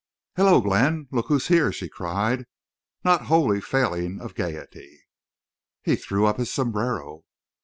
"Hello, Glenn! Look who's here!" she cried, not wholly failing of gayety. He threw up his sombrero.